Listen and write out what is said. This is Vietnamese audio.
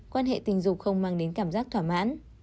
quan hệ tình dục không mang đến cảm giác thỏa mãn